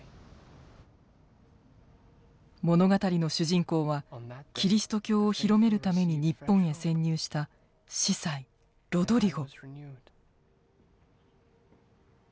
物語の主人公はキリスト教を広めるために日本へ潜入した司祭ロドリゴ。